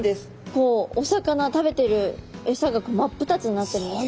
こうお魚食べてるエサが真っ二つになってるんですか？